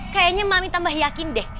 kayaknya mami tambah yakin deh